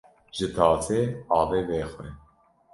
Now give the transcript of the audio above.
Ji tasê avê vexwe